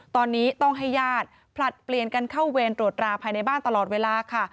ตอนนี้ต้องให้ญาติผลัดเปลี่ยนกันเข้าเวรตรวจราภายในบ้านตลอดเวลาค่ะ